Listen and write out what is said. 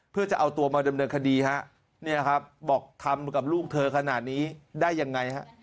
เพื่อจะเอาตัวมาดำเนินคดีฮะเนี่ยครับบอกทำกับลูกเธอขนาดนี้ได้ยังไงฮะ